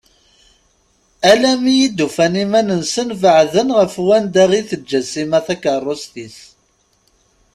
Alammi i d-ufan iman-nsen beɛden ɣef wanda i teǧǧa Sima takerrust-is.